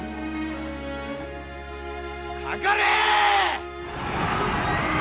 かかれ！